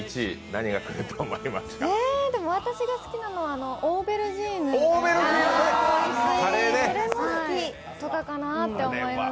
私が好きなのはオーベルジーヌとかかなって思います。